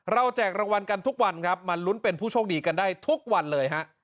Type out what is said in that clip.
แจกรางวัลกันทุกวันครับมาลุ้นเป็นผู้โชคดีกันได้ทุกวันเลยฮะ